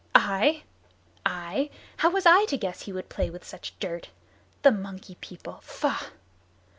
"I I? How was I to guess he would play with such dirt. The Monkey People! Faugh!"